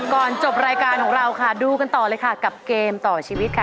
ก่อนจบรายการของเราค่ะดูกันต่อเลยค่ะกับเกมต่อชีวิตค่ะ